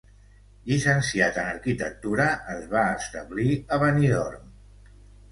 Llicenciat en arquitectura, es va establir a Benidorm.